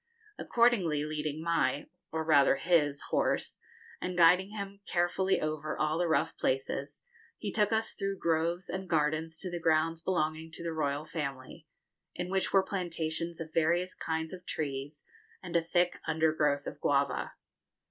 Accordingly, leading my or rather his horse, and guiding him carefully over all the rough places, he took us through groves and gardens to the grounds belonging to the royal family, in which were plantations of various kinds of trees, and a thick undergrowth of guava.